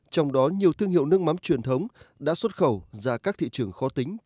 trong đó nhiều thương hiệu nước mắm truyền thống đã xuất khẩu ra các thị trường khó tính trên thế giới